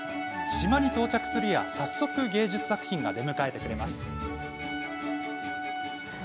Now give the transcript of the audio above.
島に到着するや、早速芸術作品が出迎えてくれます。